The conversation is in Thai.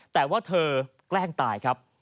แต่ว่าเธอแกล้งตายครับ